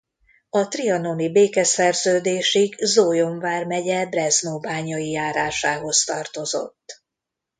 A trianoni békeszerződésig Zólyom vármegye Breznóbányai járásához tartozott.